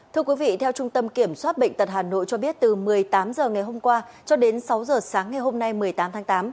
thưa quý vị theo trung tâm kiểm soát bệnh tật hà nội cho biết từ một mươi tám h ngày hôm qua cho đến sáu h sáng ngày hôm nay một mươi tám tháng tám